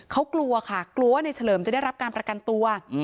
เขากลัวค่ะกลัวว่าในเฉลิมจะได้รับการประกันตัว